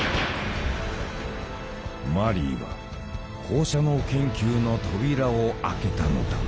マリーは放射能研究の扉を開けたのだ。